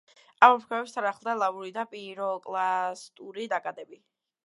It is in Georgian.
ამოფრქვევებს თან ახლდა ლავური და პიროკლასტური ნაკადები.